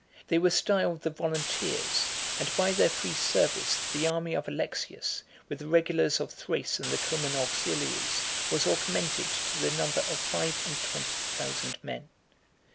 They were styled the volunteers; 59 and by their free service the army of Alexius, with the regulars of Thrace and the Coman auxiliaries, 60 was augmented to the number of five and twenty thousand men.